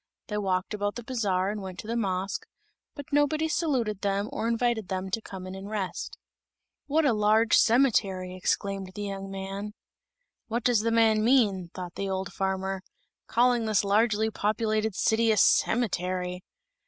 They walked about the bazaar and went to the mosque, but nobody saluted them or invited them to come in and rest. "What a large cemetery!" exclaimed the young man. "What does the man mean," thought the old farmer, "calling this largely populated city a cemetery?"